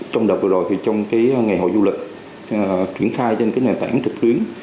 trong đợt vừa rồi thì trong cái ngày hội du lịch chuyển khai trên cái nền tảng trực tuyến